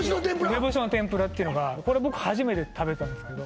梅干しの天ぷらっていうのがこれ僕初めて食べたんですけど